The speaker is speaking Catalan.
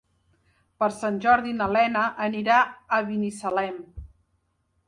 Per Sant Jordi na Lena anirà a Binissalem.